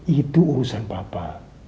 itu urusan papa